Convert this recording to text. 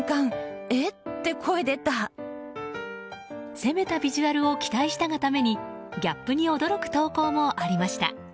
攻めたビジュアルを期待したがためにギャップに驚く投稿もありました。